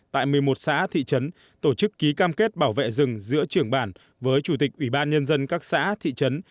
tại một mươi một xã thị trấn tổ chức ký cam kết bảo vệ rừng giữa trưởng bản với chủ tịch ủy ban nhân dân các xã thị trấn